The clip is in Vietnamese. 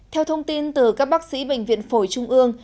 theo thông tin từ các bác sĩ bệnh viện phổi trung ương